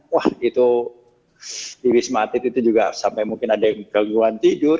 wah itu di wisma atlet itu juga sampai mungkin ada yang gangguan tidur